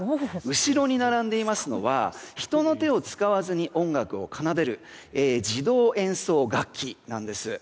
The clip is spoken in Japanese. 後ろに並んでいますのは人の手を使わずに音楽を奏でる自動演奏楽器なんです。